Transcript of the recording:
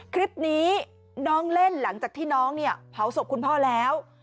คลิปนี้น้องเล่นหลังจากที่น้องเนี่ยเผาศพคุณพ่อแล้ว